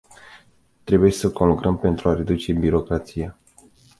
Trebuie să conlucrăm pentru a reduce birocrația.